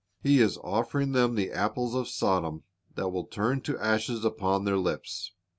He is offering them the apples of Sodom, that will turn to ashes upon their lips.